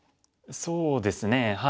そうですね。